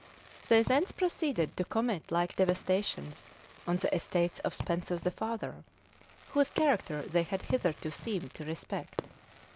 [] They thence proceeded to commit like devastations on the estates of Spenser the father, whose character they had hitherto seemed to respect.